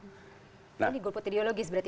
jadi goal put ideologis berarti